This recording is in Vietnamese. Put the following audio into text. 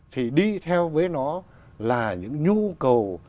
thì đi theo với nó là những nhu cầu